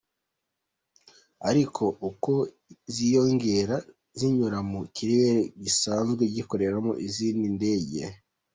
Ariko uko ziyongera zinyura mu kirere gisanzwe gikoreramo izindi ndege.